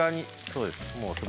そうです。